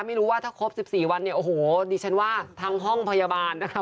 ไม่รู้ว่าถ้าครบ๑๔วันเนี่ยโอ้โหดิฉันว่าทั้งห้องพยาบาลนะคะ